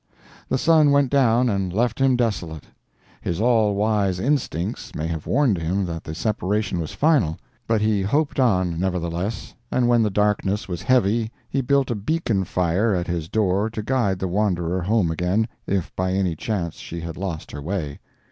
The sun went down and left him desolate. His all wise instincts may have warned him that the separation was final, but he hoped on, nevertheless, and when the darkness was heavy he built a beacon fire at his door to guide the wanderer home again, if by any chance she had lost her way.